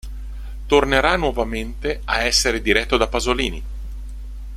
Tornerà nuovamente a essere diretto da Pasolini.